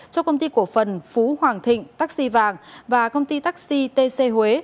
cho công ty cổ phần phú hoàng thịnh và công ty taxi tc huế